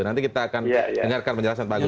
nanti kita akan dengarkan penjelasan pak agus